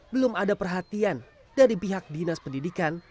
belum ada perhatian dari pihak dinas pendidikan